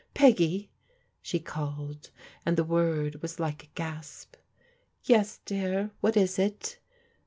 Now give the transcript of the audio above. " Peggy f *' she called, and the word was like a gasp. "Yes, dear, what is it?"